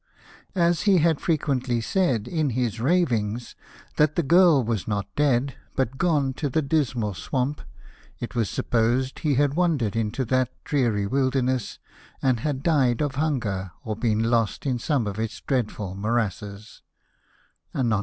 As he had fre quently said, in his ravings, that the girl was not dead, but gone to the Dismal Swamp, it is supposed he had wandered into that dreary wilderness, and had died of hunger, or been lost in some of its dreadful morasses," — Anon.